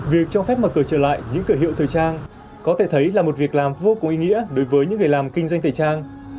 việc cho phép mở cửa trở lại những cửa hiệu thời trang có thể thấy là một việc làm vô cùng ý nghĩa đối với những người làm kinh doanh thời trang